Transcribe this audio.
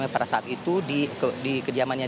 pada saat itu kediamannya